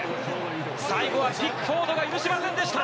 最後はピックフォードが許しませんでした。